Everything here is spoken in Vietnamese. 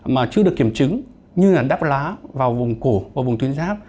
mà chưa được kiểm chứng như là đắp lá vào vùng cổ và vùng tuyến giáp